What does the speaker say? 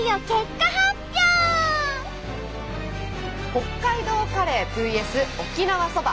北海道カレーＶＳ．沖縄そば